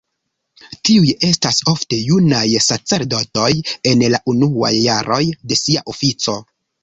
Tiuj estas ofte junaj sacerdotoj en la unuaj jaroj de sia ofico.